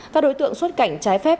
các đối tượng xuất cảnh trái phép